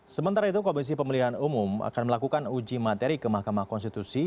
sementara itu komisi pemilihan umum akan melakukan uji materi ke mahkamah konstitusi